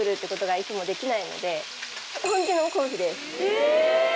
え！